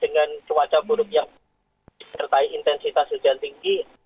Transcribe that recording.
dengan cuaca buruk yang disertai intensitas hujan tinggi